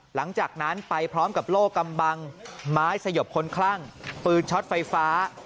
หลังจากนั้นไปพร้อมกับโลกกำบังไม้สยบคนคลั่งปืนช็อตไฟฟ้า